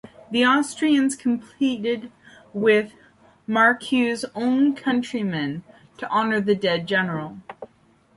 The Austrians competed with Marceau's own countrymen to honour the dead general.